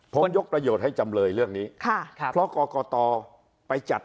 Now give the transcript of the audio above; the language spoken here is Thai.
ผมยกประโยชน์ให้จำเลยเรื่องนี้ค่ะครับเพราะกรกตไปจัด